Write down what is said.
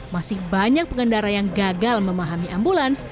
masih banyak pengendara yang gagal memahami ambulans